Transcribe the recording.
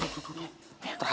yang motornya merah